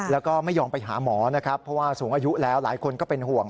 แล้วก็ไม่ยอมไปหาหมอนะครับเพราะว่าสูงอายุแล้วหลายคนก็เป็นห่วง